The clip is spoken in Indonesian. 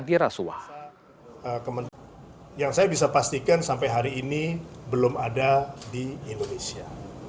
yang saya bisa pastikan sampai hari ini belum ada di indonesia